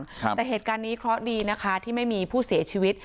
แต่เหตุการณ์นี้เคราะห์ดีนะคะที่ไม่มีผู้เสียชีวิต